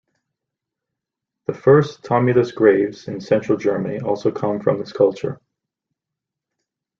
The first tumulus graves in central Germany also come from this culture.